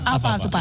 apa tuh pak